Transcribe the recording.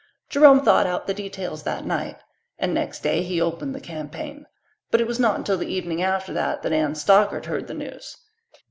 Jerome thought out the details that night, and next day he opened the campaign. But it was not until the evening after that that Anne Stockard heard the news.